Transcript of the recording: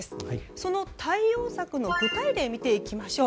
その対応策の具体例を見ていきましょう。